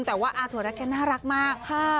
แต่ว่าอาถวแรกน่ารักมากค่ะ